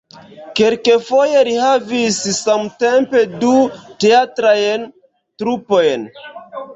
Kelkfoje li havis samtempe du teatrajn trupojn.